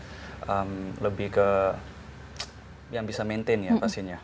yang lebih ke yang bisa maintain ya pastinya